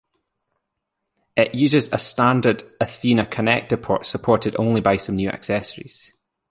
It uses a standard Athena Connector port supported only by some new accessories.